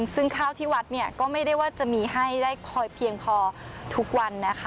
ซึ่งข้าวที่วัดก็ไม่ได้ว่าจะมีให้ได้เพียงพอทุกวัน